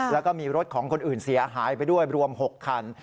แล้วก็มีรถของคนอื่นเสียหายไปด้วยรวม๖คัน